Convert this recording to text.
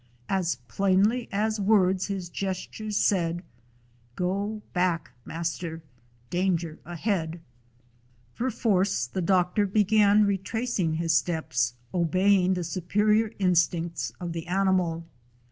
As plainly as words his gestures said: "Go back, master. Danger ahead!" Perforce the doctor began retracing his steps, obeying the superior instincts of the animal.